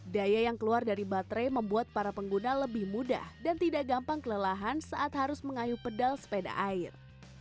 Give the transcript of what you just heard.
daya yang keluar dari baterai membuat para pengguna lebih mudah dan tidak gampang kelelahan saat harus mengayuh pedal sepeda air